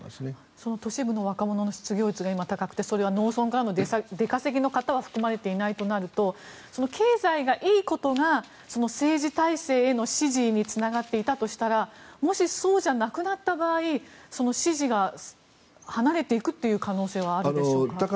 その都市部の若者の失業率が今、高くてそれは農村からの出稼ぎの方は含まれていないとなると経済がいいことが政治体制への支持につながっていたとしたらもしそうじゃなくなった場合支持が離れていく可能性はあるでしょうか。